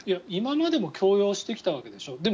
今までも強要してきたわけでしょ？